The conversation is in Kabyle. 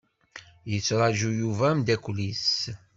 Yettraju Yuba ameddakel-is.